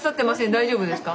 大丈夫ですか？